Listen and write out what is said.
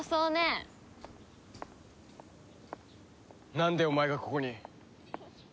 なんでお前がここに！？